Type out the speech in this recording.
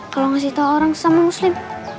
kalo ngasih tau orang sama muslim